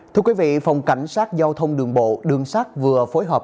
thưa quý vị phòng cảnh sát giao thông đường bộ đường sát vừa phối hợp